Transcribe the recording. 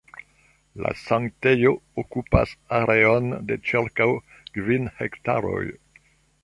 La sanktejo okupas areon de ĉirkaŭ kvin hektaroj.